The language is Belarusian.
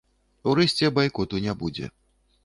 Урэшце, байкоту не будзе.